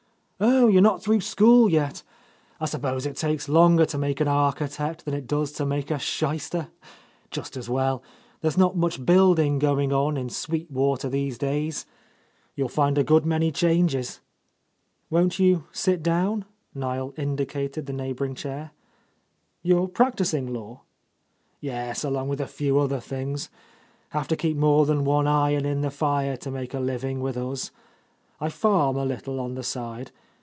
"Oh, you're not through school yet? I sup pose it takes longer to make an architect than it does to make a shyster. Just as well; there's not much building going on in Sweet Water these days. You'll find a good many changes." "Won't you sit down?" Niel indicated the neighbouring chair. "You are practising law?" "Yes, along with a few other things. Have to keep more than one iron in the fire to make a living with us. I farm a little on the side.